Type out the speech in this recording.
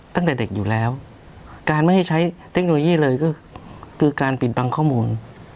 ตั้งแต่เด็กอยู่แล้วการไม่ให้ใช้เทคโนโลยีเลยก็คือการปิดบังข้อมูล